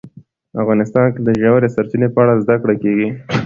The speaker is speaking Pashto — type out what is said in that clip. افغانستان کې د ژورې سرچینې په اړه زده کړه کېږي.